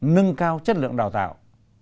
nâng cao chất lượng đào tạo